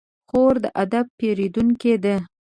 خور د ادب پېرودونکې ده.